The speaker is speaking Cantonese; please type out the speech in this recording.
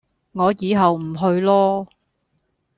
我以後唔去囉